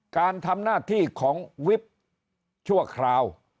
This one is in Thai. การทำหน้าที่ของวิบชั่วคราว